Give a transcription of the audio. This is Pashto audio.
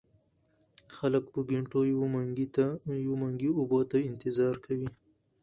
خلک په ګېنټو يو منګي اوبو ته انتظار کوي ـ